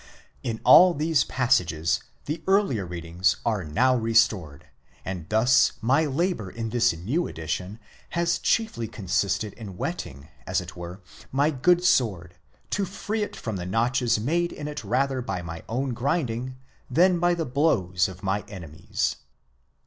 In all these passages the earlier readings are now restored, and thus my labour in this new edition has chiefly consisted in whetting, as it were, my good sword, to free it from the notches made in it rather by my own grinding, than by the blows of my enemies.